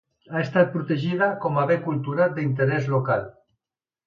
Ha estat protegida com a bé cultural d'interès local.